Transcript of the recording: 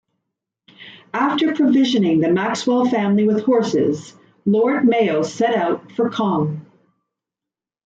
After provisioning the Maxwell family with horses, Lord Mayo set out for Cong.